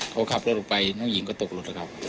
เขาขับรถออกไปน้องหญิงก็ตกหลุดแล้วครับ